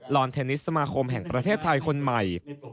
อนเทนนิสสมาคมแห่งประเทศไทยคนใหม่